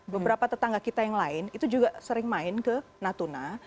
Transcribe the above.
beberapa tetangga kita yang lain itu juga sering main ke natuna